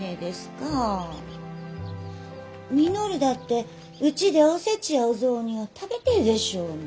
稔だってうちでお節やお雑煮を食べてえでしょうに。